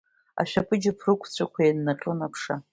Ашәаԥыџьаԥ рықәцәақәа еиннаҟьон аԥша.